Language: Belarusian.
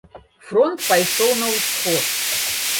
Фронт пайшоў на ўсход.